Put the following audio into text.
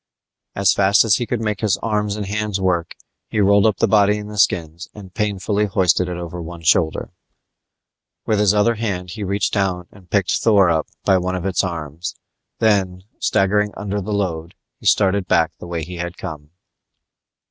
As fast as he could make his arms and hands work he rolled up the body in the skins and painfully hoisted it over one shoulder. With his other hand he reached down and picked Thor up by one of its arms, then, staggering under the load, he started back the way he had come.